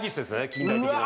近代的な。